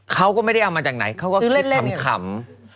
เขาก็ไม่ได้เอามาจากไหนเขาก็คิดขำ